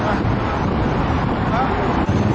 คันท้ายนะเครือคนเกินมาทะเล